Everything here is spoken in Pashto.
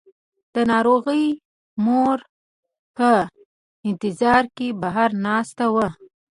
د ناروغې مور په انتظار کې بهر ناسته وه.